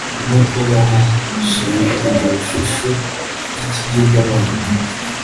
nuko bahashinga iryo shusho ry'ikigirwamana